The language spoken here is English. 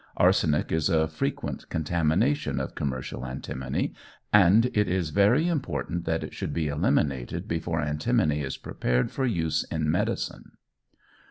Arsenic is a frequent contamination of commercial antimony, and it is very important that it should be eliminated before antimony is prepared for use in medicine.